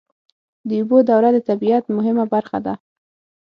د اوبو دوره د طبیعت مهمه برخه ده.